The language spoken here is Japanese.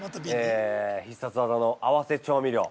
必殺技の合わせ調味料。